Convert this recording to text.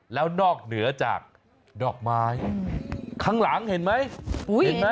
แล้วนอกเหนือจากดอกไม้ข้างหลังเห็นไหมเห็นไหม